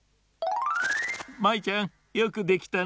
舞ちゃんよくできたね。